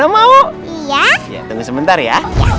saya mau ya sebentar ya